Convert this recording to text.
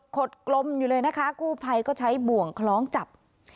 ขดกลมอยู่เลยนะคะกู้ไพพุทธศาสนก็ใช้บ่วงคล้องจับ